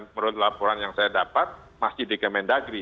dan menurut laporan yang saya dapat masih di kementerian mendagri